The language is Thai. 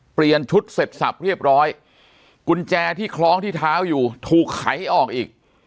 เปลี่ยนชุดเสร็จสับเรียบร้อยกุญแจที่คล้องที่เท้าอยู่ถูกไขออกอีก